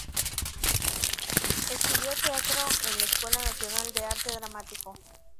Estudió teatro en la Escuela Nacional de Arte Dramático.